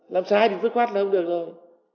làm sai thì tức khoát là không được rồi